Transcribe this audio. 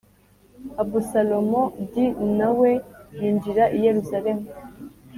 Abusalomu d na we yinjira i Yerusalemu